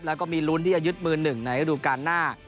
แล้วก็มีรุ้นที่อายุทธิ์มือ๑ในฤดูกาลหน้า